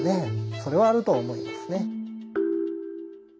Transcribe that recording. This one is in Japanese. それはあると思いますね。